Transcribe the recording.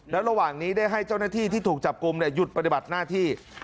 แล้วระหว่างนี้ได้ให้เจ้าหน้าที่ที่ถูกจับกลุ่มหยุดปฏิบัติหน้าที่